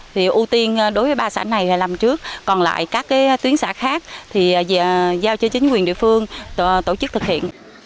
thì ưu tiên đối với ba xã này là làm trước còn lại các cái tuyến xã khác thì giao cho chính quyền địa phương tổ chức thực hiện